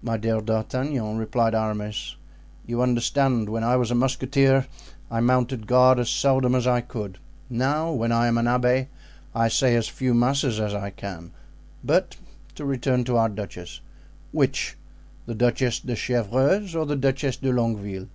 "My dear D'Artagnan," replied Aramis, "you understand, when I was a musketeer I mounted guard as seldom as I could; now when I am an abbé I say as few masses as I can. But to return to our duchess." "Which—the Duchess de Chevreuse or the Duchess de Longueville?"